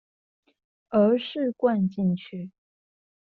而是灌進去